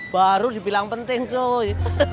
baru dibilang penting cuy